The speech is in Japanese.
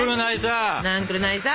なんくるないさ。